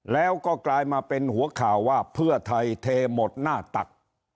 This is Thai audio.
แล้วก็กลายมาเป็นหัวข่าวว่าเพื่อไทยเทหมดหน้าตัก